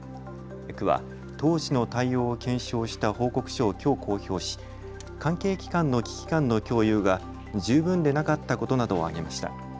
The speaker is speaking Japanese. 区は当時の対応検証した報告書をきょう公表し、関係機関の危機感の共有が十分でなかったことなどを挙げました。